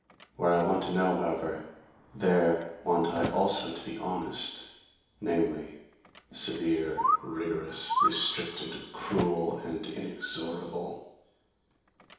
Where I want to know, however, there want I also to be honest namely, severe, rigorous, restricted, cruel and inexorable.